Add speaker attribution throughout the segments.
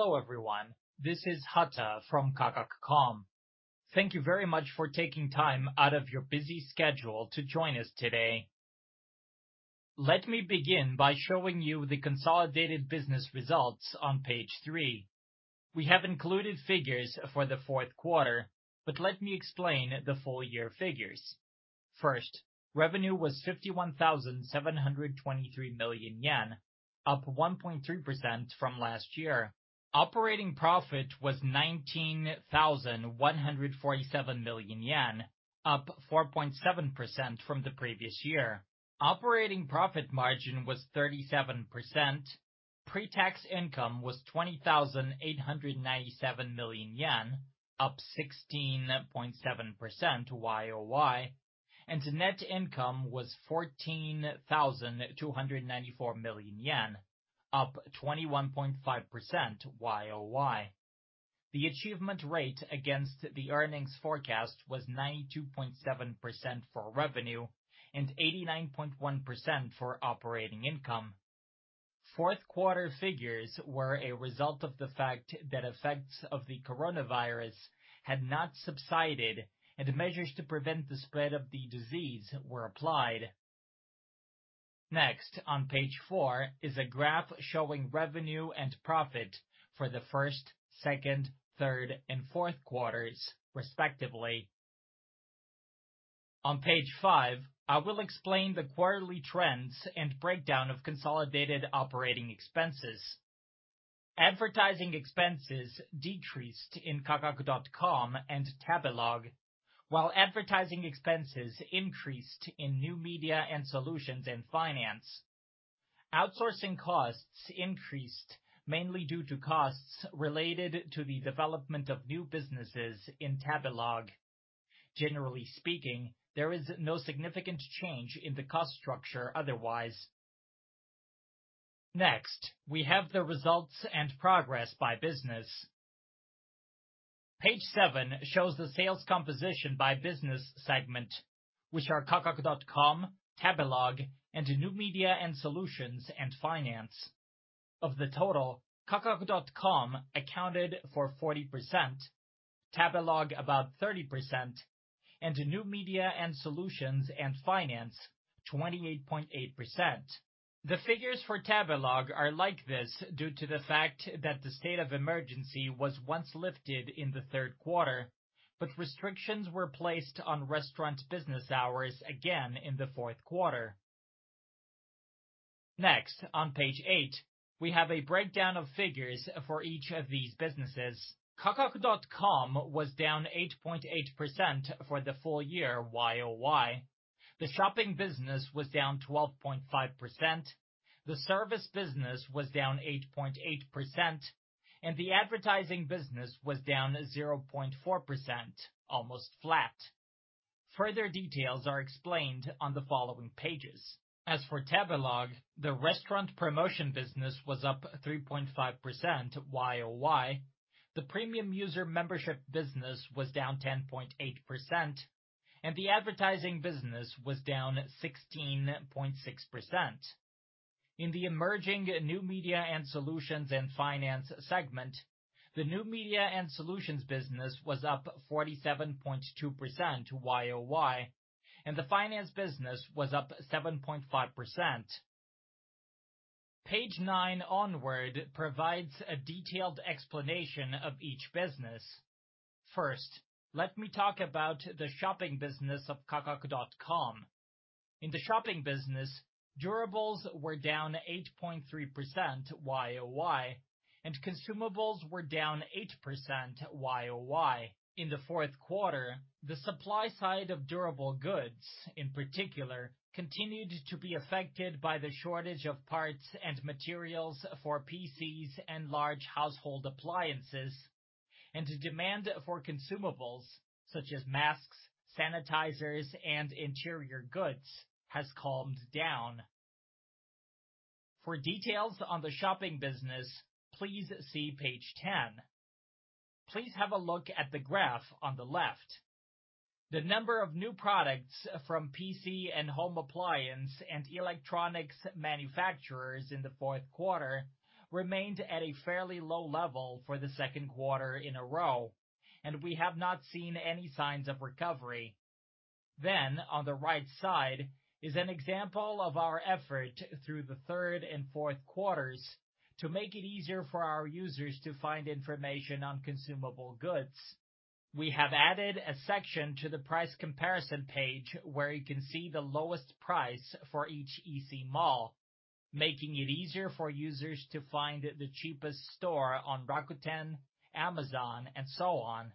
Speaker 1: Hello, everyone. This is Hata from Kakaku.com. Thank you very much for taking time out of your busy schedule to join us today. Let me begin by showing you the consolidated business results on page three. We have included figures for the fourth quarter, but let me explain the full year figures. First, revenue was 51,723 million yen, up 1.3% from last year. Operating profit was 19,147 million yen, up 4.7% from the previous year. Operating profit margin was 37%. Pre-tax income was 20,897 million yen, up 16.7% YoY, and net income was 14,294 million yen, up 21.5% YoY. The achievement rate against the earnings forecast was 92.7% for revenue and 89.1% for operating income. Fourth quarter figures were a result of the fact that effects of the coronavirus had not subsided, and measures to prevent the spread of the disease were applied. Next, on page four is a graph showing revenue and profit for the first, second, third, and fourth quarters, respectively. On page five, I will explain the quarterly trends and breakdown of consolidated operating expenses. Advertising expenses decreased in Kakaku.com and Tabelog, while advertising expenses increased in New Media and Solutions in Finance. Outsourcing costs increased mainly due to costs related to the development of new businesses in Tabelog. Generally speaking, there is no significant change in the cost structure otherwise. Next, we have the results and progress by business. Page seven shows the sales composition by business segment, which are Kakaku.com, Tabelog, and New Media and Solutions, and Finance. Of the total, Kakaku.com accounted for 40%, Tabelog about 30%, and New Media and Solutions and Finance 28.8%. The figures for Tabelog are like this due to the fact that the state of emergency was once lifted in the third quarter, but restrictions were placed on restaurant business hours again in the fourth quarter. Next, on page eight, we have a breakdown of figures for each of these businesses. Kakaku.com was down 8.8% for the full year YoY. The shopping business was down 12.5%, the service business was down 8.8%, and the advertising business was down 0.4%, almost flat. Further details are explained on the following pages. As for Tabelog, the restaurant promotion business was up 3.5% YoY. The premium user membership business was down 10.8%, and the advertising business was down 16.6%. In the emerging New Media and Solutions in Finance segment, the New Media and Solutions business was up 47.2% YoY, and the finance business was up 7.5%. Page nine onward provides a detailed explanation of each business. First, let me talk about the shopping business of Kakaku.com. In the shopping business, durables were down 8.3% YoY, and consumables were down 8% YoY. In the fourth quarter, the supply side of durable goods, in particular, continued to be affected by the shortage of parts and materials for PCs and large household appliances, and demand for consumables such as masks, sanitizers, and interior goods has calmed down. For details on the shopping business, please see page 10. Please have a look at the graph on the left. The number of new products from PC and home appliance and electronics manufacturers in the fourth quarter remained at a fairly low level for the second quarter in a row, and we have not seen any signs of recovery. On the right side is an example of our effort through the third and fourth quarters to make it easier for our users to find information on consumable goods. We have added a section to the price comparison page where you can see the lowest price for each EC mall, making it easier for users to find the cheapest store on Rakuten, Amazon, and so on.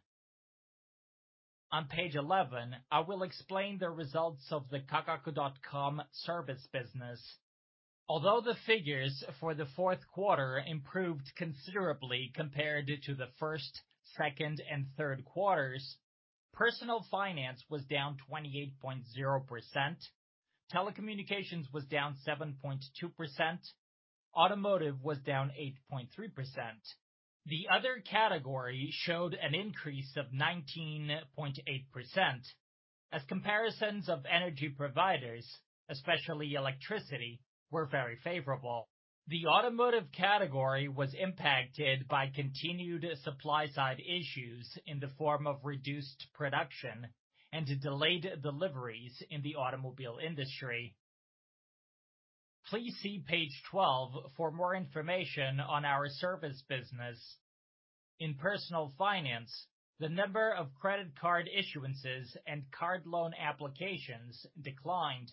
Speaker 1: On page 11, I will explain the results of the Kakaku.com service business. Although the figures for the fourth quarter improved considerably compared to the first, second, and third quarters, personal finance was down 28.0%. Telecommunications was down 7.2%. Automotive was down 8.3%. The other category showed an increase of 19.8%. As comparisons of energy providers, especially electricity, were very favorable. The automotive category was impacted by continued supply side issues in the form of reduced production and delayed deliveries in the automobile industry. Please see page 12 for more information on our service business. In personal finance, the number of credit card issuances and card loan applications declined.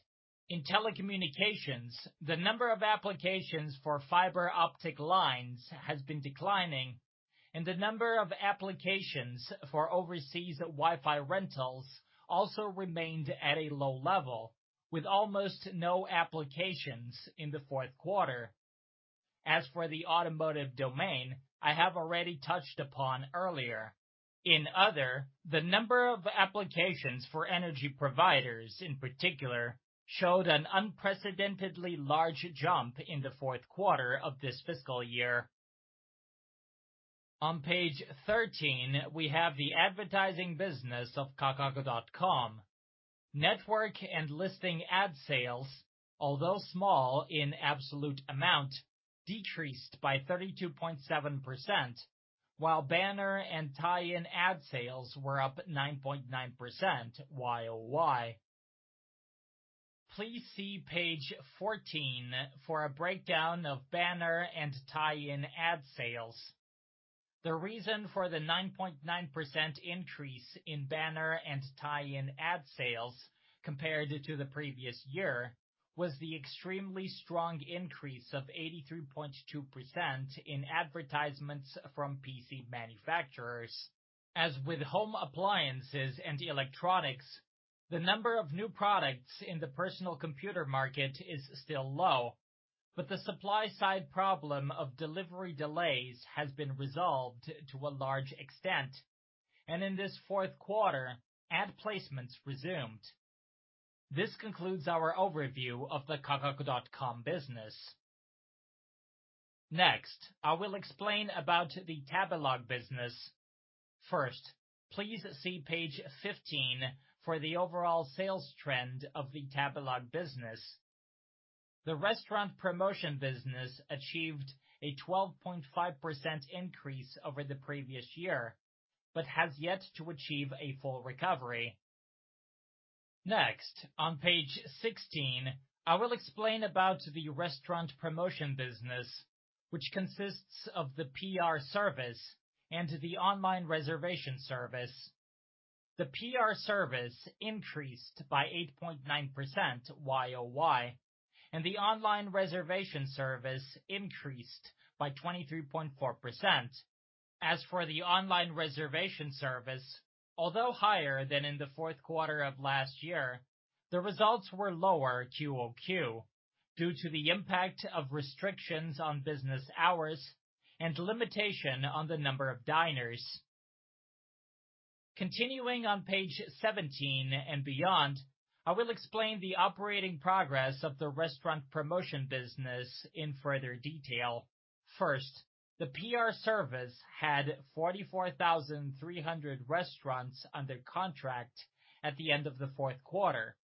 Speaker 1: In telecommunications, the number of applications for fiber optic lines has been declining, and the number of applications for overseas Wi-Fi rentals also remained at a low level, with almost no applications in the fourth quarter. As for the automotive domain, I have already touched upon earlier. In other, the number of applications for energy providers, in particular, showed an unprecedentedly large jump in the fourth quarter of this fiscal year. On page 13, we have the advertising business of Kakaku.com. Network and listing ad sales, although small in absolute amount, decreased by 32.7%, while banner and tie-in ad sales were up 9.9% YoY. Please see page 14 for a breakdown of banner and tie-in ad sales. The reason for the 9.9% increase in banner and tie-in ad sales compared to the previous year was the extremely strong increase of 83.2% in advertisements from PC manufacturers. As with home appliances and electronics, the number of new products in the personal computer market is still low, but the supply side problem of delivery delays has been resolved to a large extent, and in this fourth quarter, ad placements resumed. This concludes our overview of the Kakaku.com business. Next, I will explain about the Tabelog business. First, please see page 15 for the overall sales trend of the Tabelog business. The restaurant promotion business achieved a 12.5% increase over the previous year, but has yet to achieve a full recovery. Next, on page 16, I will explain about the restaurant promotion business, which consists of the PR service and the online reservation service. The PR service increased by 8.9% YoY, and the online reservation service increased by 23.4%. As for the online reservation service, although higher than in the fourth quarter of last year, the results were lower QoQ due to the impact of restrictions on business hours and limitation on the number of diners. Continuing on page 17 and beyond, I will explain the operating progress of the restaurant promotion business in further detail. First, the PR service had 44,300 restaurants under contract at the end of the fourth quarter,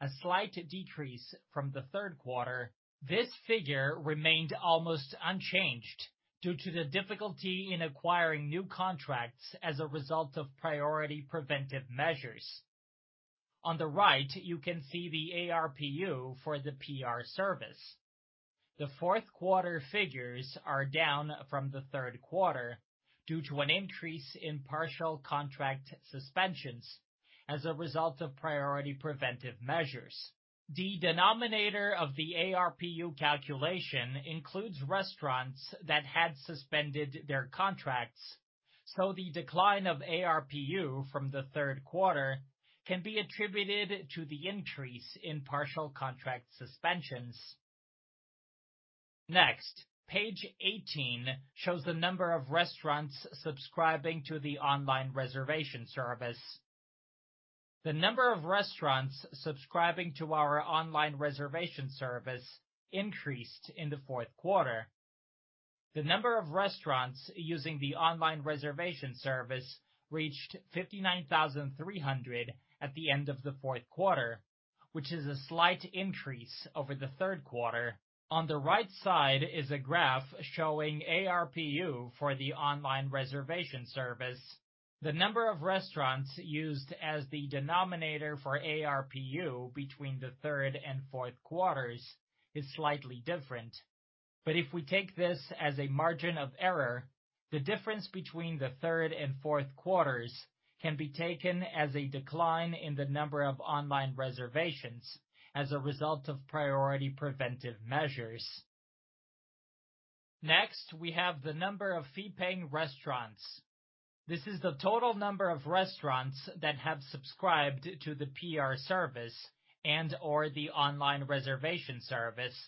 Speaker 1: a slight decrease from the third quarter. This figure remained almost unchanged due to the difficulty in acquiring new contracts as a result of priority preventive measures. On the right, you can see the ARPU for the PR service. The fourth quarter figures are down from the third quarter due to an increase in partial contract suspensions as a result of priority preventive measures. The denominator of the ARPU calculation includes restaurants that had suspended their contracts, so the decline of ARPU from the third quarter can be attributed to the increase in partial contract suspensions. Next, page 18 shows the number of restaurants subscribing to the online reservation service. The number of restaurants subscribing to our online reservation service increased in the fourth quarter. The number of restaurants using the online reservation service reached 59,300 at the end of the fourth quarter, which is a slight increase over the third quarter. On the right side is a graph showing ARPU for the online reservation service. The number of restaurants used as the denominator for ARPU between the third and fourth quarters is slightly different. If we take this as a margin of error, the difference between the third and fourth quarters can be taken as a decline in the number of online reservations as a result of priority preventive measures. Next, we have the number of fee-paying restaurants. This is the total number of restaurants that have subscribed to the PR service and/or the online reservation service,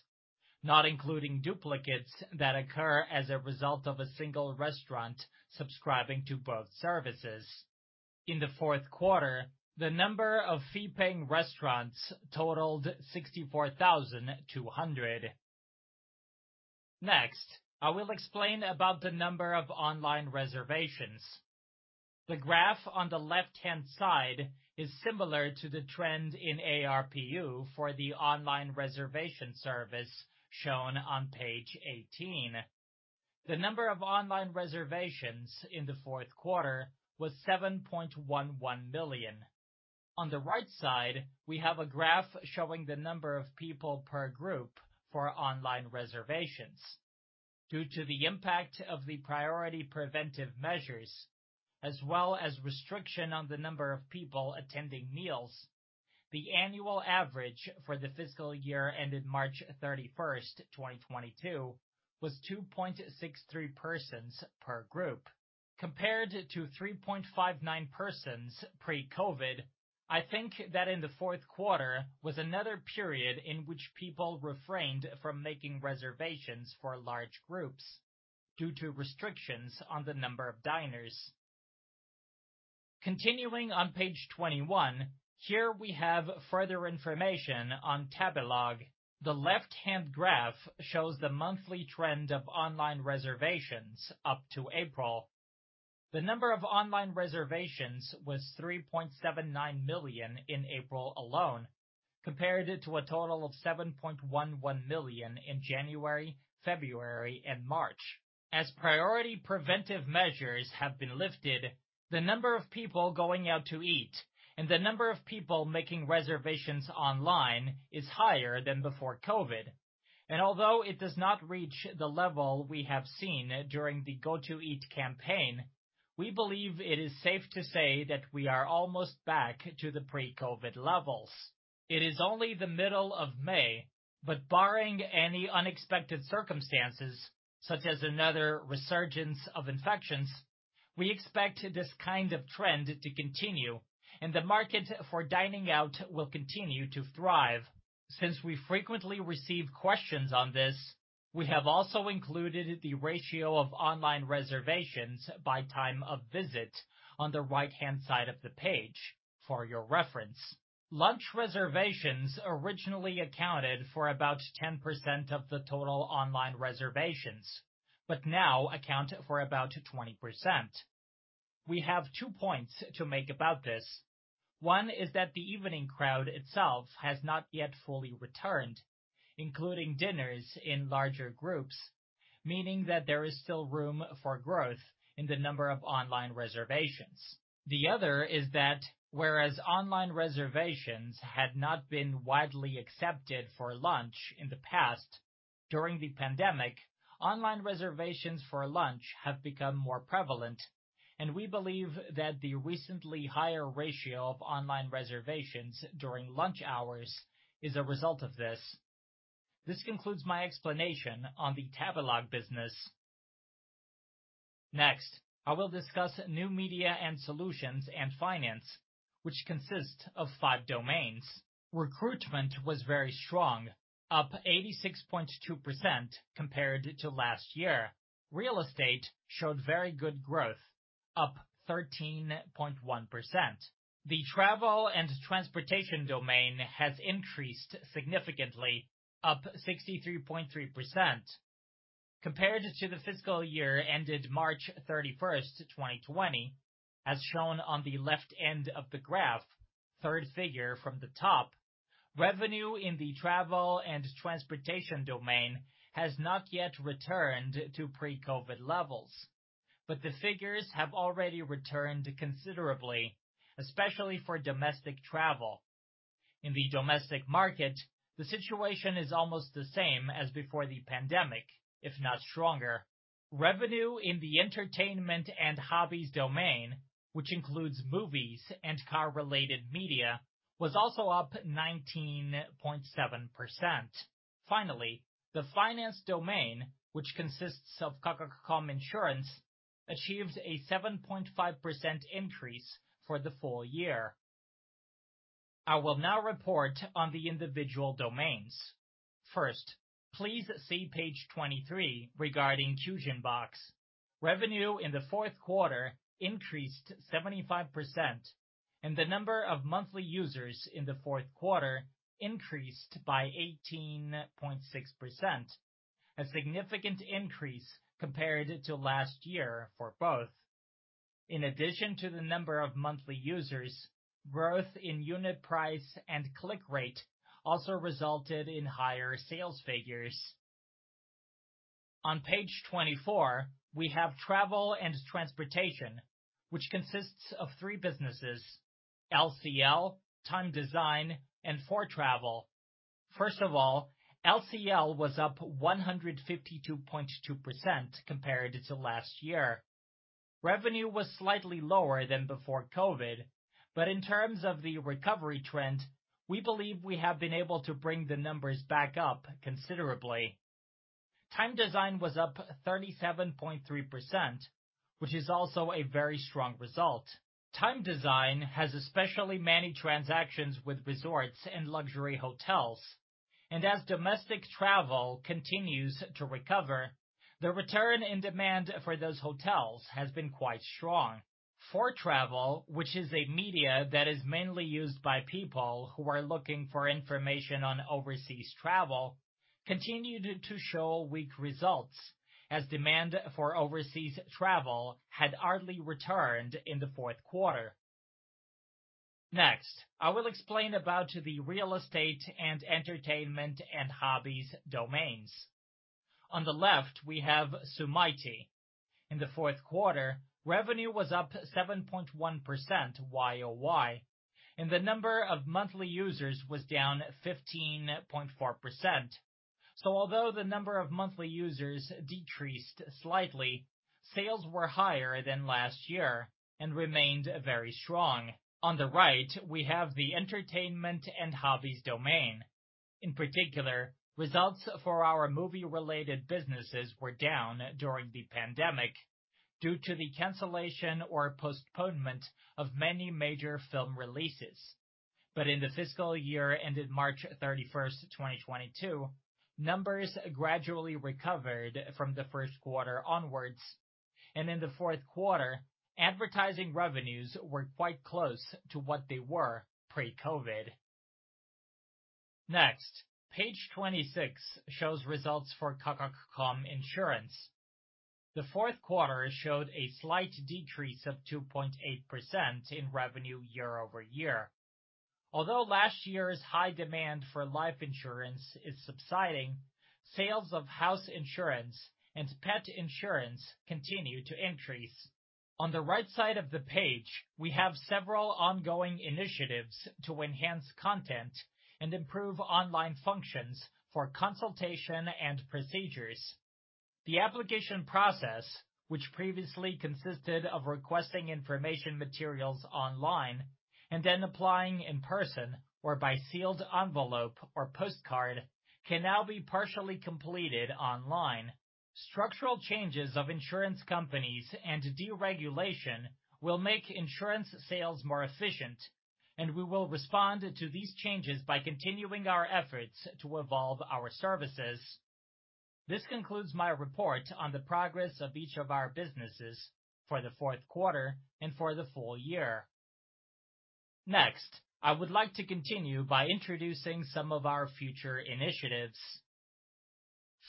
Speaker 1: not including duplicates that occur as a result of a single restaurant subscribing to both services. In the fourth quarter, the number of fee-paying restaurants totaled 64,200. Next, I will explain about the number of online reservations. The graph on the left-hand side is similar to the trend in ARPU for the online reservation service shown on page 18. The number of online reservations in the fourth quarter was 7.11 million. On the right side, we have a graph showing the number of people per group for online reservations. Due to the impact of the priority preventive measures, as well as restriction on the number of people attending meals, the annual average for the fiscal year ended March 31st, 2022 was 2.63 persons per group. Compared to 3.59 persons pre-COVID, I think that in the fourth quarter was another period in which people refrained from making reservations for large groups due to restrictions on the number of diners. Continuing on page 21, here we have further information on Tabelog. The left-hand graph shows the monthly trend of online reservations up to April. The number of online reservations was 3.79 million in April alone, compared to a total of 7.11 million in January, February and March. As priority preventive measures have been lifted, the number of people going out to eat and the number of people making reservations online is higher than before COVID. Although it does not reach the level we have seen during the Go To Eat campaign, we believe it is safe to say that we are almost back to the pre-COVID levels. It is only the middle of May, but barring any unexpected circumstances such as another resurgence of infections, we expect this kind of trend to continue and the market for dining out will continue to thrive. Since we frequently receive questions on this, we have also included the ratio of online reservations by time of visit on the right-hand side of the page for your reference. Lunch reservations originally accounted for about 10% of the total online reservations, but now account for about 20%. We have two points to make about this. One is that the evening crowd itself has not yet fully returned, including dinners in larger groups, meaning that there is still room for growth in the number of online reservations. The other is that whereas online reservations had not been widely accepted for lunch in the past, during the pandemic, online reservations for lunch have become more prevalent, and we believe that the recently higher ratio of online reservations during lunch hours is a result of this. This concludes my explanation on the Tabelog business. Next, I will discuss New Media and Solutions and finance, which consists of five domains. Recruitment was very strong, up 86.2% compared to last year. Real estate showed very good growth, up 13.1%. The travel and transportation domain has increased significantly, up 63.3% compared to the fiscal year ended March 31st, 2020, as shown on the left end of the graph, third figure from the top. Revenue in the travel and transportation domain has not yet returned to pre-COVID levels, but the figures have already returned considerably, especially for domestic travel. In the domestic market, the situation is almost the same as before the pandemic, if not stronger. Revenue in the entertainment and hobbies domain, which includes movies and car-related media, was also up 19.7%. Finally, the finance domain, which consists of Kakaku.com Insurance, achieved a 7.5% increase for the full year. I will now report on the individual domains. First, please see page 23 regarding Kyujin Box. Revenue in the fourth quarter increased 75% and the number of monthly users in the fourth quarter increased by 18.6%, a significant increase compared to last year for both. In addition to the number of monthly users, growth in unit price and click rate also resulted in higher sales figures. On page 24, we have travel and transportation, which consists of three businesses, LCL, Time Design and 4travel. First of all, LCL was up 152.2% compared to last year. Revenue was slightly lower than before COVID, but in terms of the recovery trend, we believe we have been able to bring the numbers back up considerably. Time Design was up 37.3%, which is also a very strong result. Time Design has especially many transactions with resorts and luxury hotels, and as domestic travel continues to recover. The return in demand for those hotels has been quite strong. 4travel, which is a media that is mainly used by people who are looking for information on overseas travel, continued to show weak results as demand for overseas travel had hardly returned in the fourth quarter. Next, I will explain about the real estate and entertainment and hobbies domains. On the left, we have Sumaity. In the fourth quarter, revenue was up 7.1% YoY, and the number of monthly users was down 15.4%. Although the number of monthly users decreased slightly, sales were higher than last year and remained very strong. On the right, we have the entertainment and hobbies domain. In particular, results for our movie-related businesses were down during the pandemic due to the cancellation or postponement of many major film releases. In the fiscal year ended March 31st, 2022, numbers gradually recovered from the first quarter onwards, and in the fourth quarter, advertising revenues were quite close to what they were pre-COVID. Next, page 26 shows results for Kakaku.com Insurance. The fourth quarter showed a slight decrease of 2.8% in revenue YoY. Although last year's high demand for life insurance is subsiding, sales of house insurance and pet insurance continue to increase. On the right side of the page, we have several ongoing initiatives to enhance content and improve online functions for consultation and procedures. The application process, which previously consisted of requesting information materials online and then applying in person or by sealed envelope or postcard, can now be partially completed online. Structural changes of insurance companies and deregulation will make insurance sales more efficient, and we will respond to these changes by continuing our efforts to evolve our services. This concludes my report on the progress of each of our businesses for the fourth quarter and for the full year. Next, I would like to continue by introducing some of our future initiatives.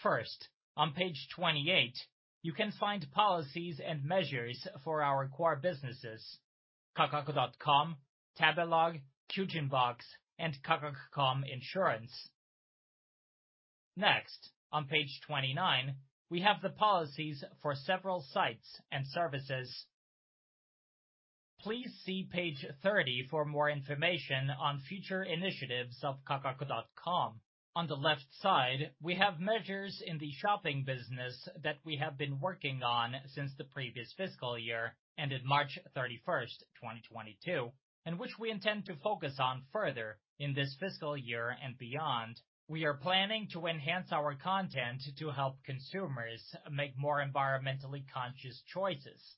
Speaker 1: First, on page 28, you can find policies and measures for our core businesses, Kakaku.com, Tabelog, Kyujin Box, and Kakaku.com Insurance. Next, on page 29, we have the policies for several sites and services. Please see page 30 for more information on future initiatives of Kakaku.com. On the left side, we have measures in the shopping business that we have been working on since the previous fiscal year ended March 31st, 2022, and which we intend to focus on further in this fiscal year and beyond. We are planning to enhance our content to help consumers make more environmentally conscious choices,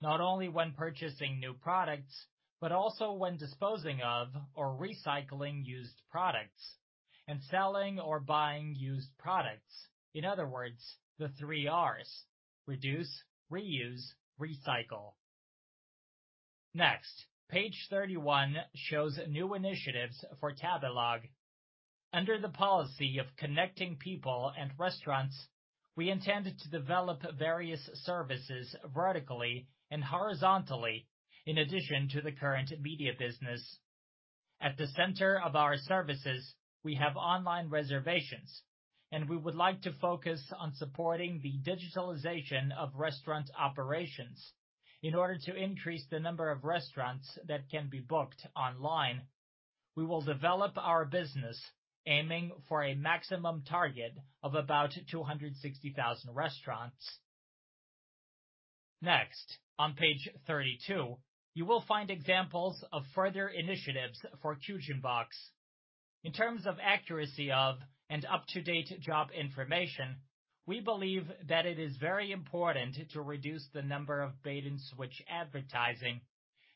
Speaker 1: not only when purchasing new products, but also when disposing of or recycling used products and selling or buying used products. In other words, the three R's, reduce, reuse, recycle. Next, page 31 shows new initiatives for Tabelog. Under the policy of connecting people and restaurants, we intend to develop various services vertically and horizontally in addition to the current media business. At the center of our services, we have online reservations, and we would like to focus on supporting the digitalization of restaurant operations in order to increase the number of restaurants that can be booked online. We will develop our business aiming for a maximum target of about 260,000 restaurants. Next, on page 32, you will find examples of further initiatives for Kyujin Box. In terms of accuracy of and up-to-date job information, we believe that it is very important to reduce the number of bait-and-switch advertising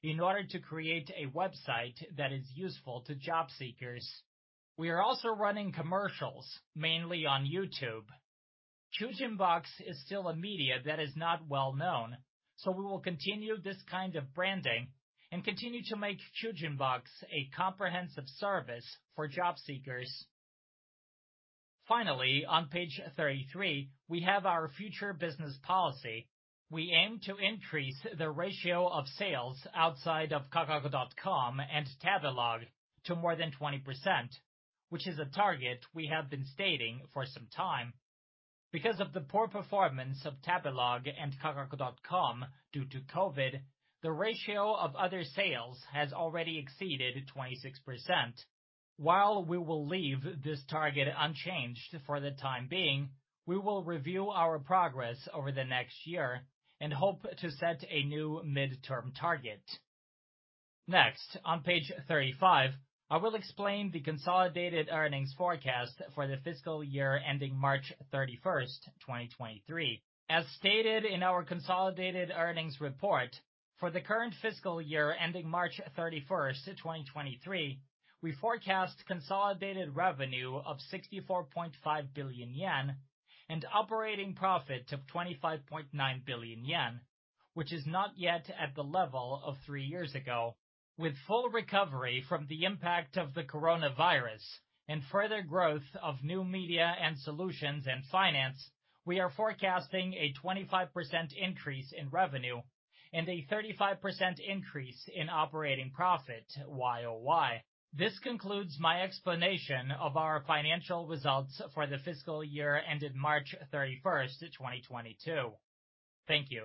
Speaker 1: in order to create a website that is useful to job seekers. We are also running commercials, mainly on YouTube. Kyujin Box is still a media that is not well known, so we will continue this kind of branding and continue to make Kyujin Box a comprehensive service for job seekers. Finally, on page 33, we have our future business policy. We aim to increase the ratio of sales outside of Kakaku.com and Tabelog to more than 20%, which is a target we have been stating for some time. Because of the poor performance of Tabelog and Kakaku.com due to COVID, the ratio of other sales has already exceeded 26%. While we will leave this target unchanged for the time being, we will review our progress over the next year and hope to set a new midterm target. Next, on page 35, I will explain the consolidated earnings forecast for the fiscal year ending March 31st, 2023. As stated in our consolidated earnings report, for the current fiscal year ending March 31st, 2023, we forecast consolidated revenue of 64.5 billion yen and operating profit of 25.9 billion yen, which is not yet at the level of three years ago. With full recovery from the impact of the coronavirus and further growth of New Media and Solutions and finance, we are forecasting a 25% increase in revenue and a 35% increase in operating profit YoY. This concludes my explanation of our financial results for the fiscal year ended March 31st, 2022. Thank you.